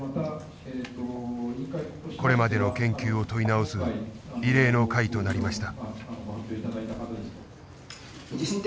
これまでの研究を問い直す異例の会となりました。